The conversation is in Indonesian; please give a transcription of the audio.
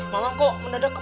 masa berapa aja